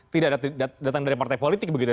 tidak datang dari partai politik begitu ya